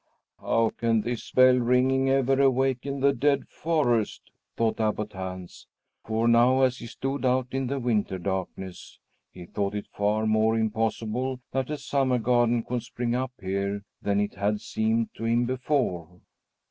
"How can this bell ringing ever awaken the dead forest?" thought Abbot Hans. For now, as he stood out in the winter darkness, he thought it far more impossible that a summer garden could spring up here than it had seemed to him before.